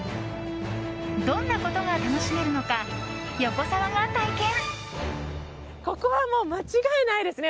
どんなことが楽しめるのか横澤が体験！